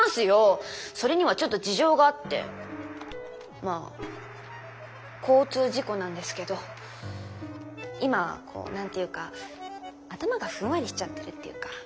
まあ交通事故なんですけど今こう何ていうか頭がふんわりしちゃってるっていうか。